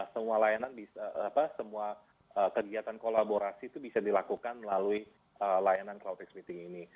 semua layanan semua kegiatan kolaborasi itu bisa dilakukan melalui layanan clouting meeting ini